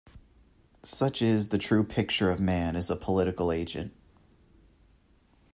Such is the true picture of man as a political agent.